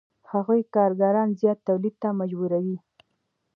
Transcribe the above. هغوی کارګران زیات تولید ته مجبوروي